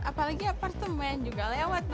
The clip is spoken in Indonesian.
apalagi apartemen juga lewat